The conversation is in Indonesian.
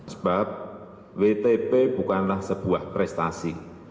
sebab wtp bukanlah sebuah prestasi